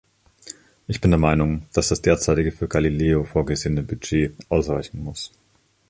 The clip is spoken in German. Ich bin der Meinung, dass das derzeitige für Galileo vorgesehene Budget ausreichen muss.